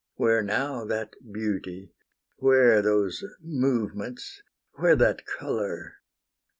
Where now that beauty? where those movements? where That colour?